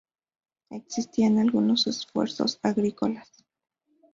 Existían algunos esfuerzos agrícolas.